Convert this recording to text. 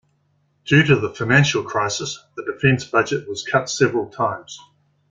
Due to the financial crisis, the defence budget was cut several times.